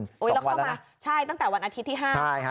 สองวันแล้วนะใช่ตั้งแต่วันอาทิตย์ที่๕ค่ะค่ะ